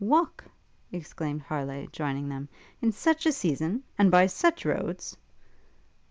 'Walk?' exclaimed Harleigh, joining them, 'in such a season? And by such roads?'